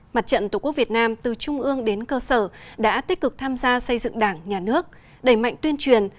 mặt trận tổ quốc việt nam từ trung ương đến cơ sở đã tích cực tham gia xây dựng đảng nhà nước đẩy mạnh tuyên truyền